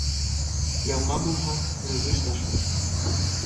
Яума булһа. Нөгөш ташыр